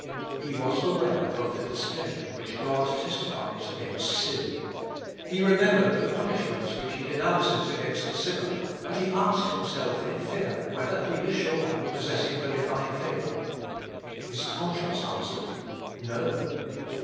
He was aware of the displeasure which God testifies against sin; he remembered the punishments which he denounces against the sinner; and he asked himself in fear, whether he was sure of possessing the Divine favour. His conscience answered, No!